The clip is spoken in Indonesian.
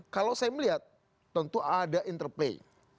kalau saya melihat tentu ada interplay